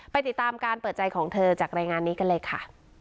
ติดตามการเปิดใจของเธอจากรายงานนี้กันเลยค่ะ